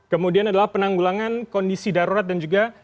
kemudian adalah penanggulangan kondisi darurat dan juga